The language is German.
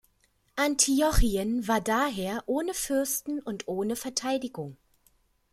Antiochien war daher ohne Fürsten und ohne Verteidigung.